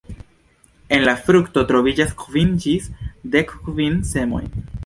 En la frukto troviĝas kvin ĝis dek kvin semoj.